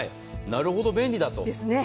なるほど、便利だと。